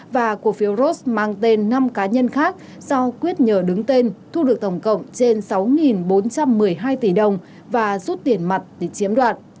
và cổ phiếu ross mang tên năm cá nhân khác do quyết nhờ đứng tên thu được tổng cộng trên sáu bốn trăm một mươi hai tỷ đồng và rút tiền mặt để chiếm đoạt